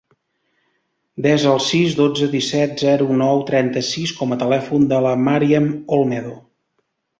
Desa el sis, dotze, disset, zero, nou, trenta-sis com a telèfon de la Maryam Olmedo.